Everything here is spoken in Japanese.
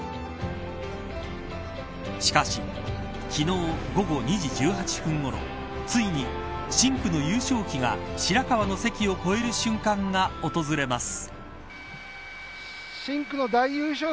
しかし、昨日午後２時１８分ごろついに深紅の優勝旗が白河の関を越える瞬間が訪れます。